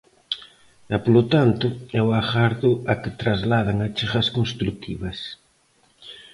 E, polo tanto, eu agardo a que trasladen achegas construtivas.